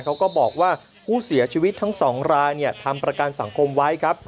เขาก็บอกว่าผู้เสียชีวิตทั้ง๒รายทำประกันสังคมไว้ครับ